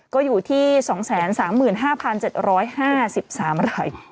ก็อยู่ที่๒๓๕๗๕๓ราย